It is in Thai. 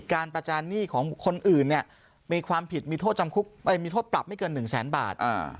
การประจานหนี้ของคนอื่นมีความผิดมีโทษปรับไม่เกิน๑๐๐๐๐๐บาท